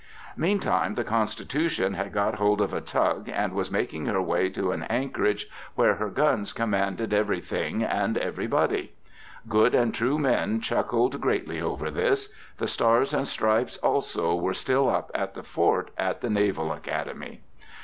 Meantime the Constitution had got hold of a tug, and was making her way to an anchorage where her guns commanded everything and everybody. Good and true men chuckled greatly over this. The stars and stripes also were still up at the fort at the Naval Academy.